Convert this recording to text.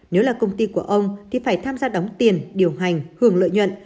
nếu là công ty của ông thì phải tham gia đóng tiền điều hành hưởng lợi nhuận